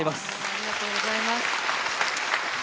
ありがとうございます。